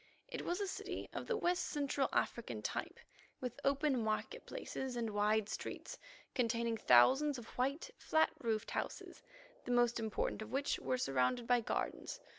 It was a city of the West Central African type, with open market places and wide streets, containing thousands of white, flat roofed houses, the most important of which were surrounded by gardens.